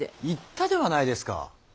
言ったではないですか。